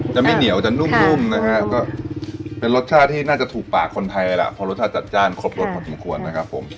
จะไม่เหนียวจะนุ่มนะฮะก็เป็นรสชาติที่น่าจะถูกปากคนไทยเลยล่ะเพราะรสชาติจัดจ้านครบรสพอสมควรนะครับผม